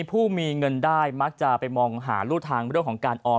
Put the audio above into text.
ผู้มีเงินได้มักจะไปมองหารู่ทางเรื่องของการออม